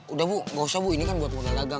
udah bu gak usah bu ini kan buat modal dagang